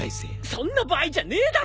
そんな場合じゃねえだろ。